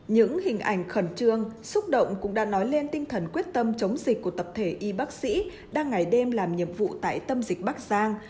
những hình ảnh khẩn trương xúc động cũng đã nói lên tinh thần quyết tâm chống dịch của tập thể y bác sĩ đang ngày đêm làm nhiệm vụ tại tâm dịch bắc giang